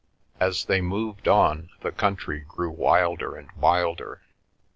As they moved on the country grew wilder and wilder.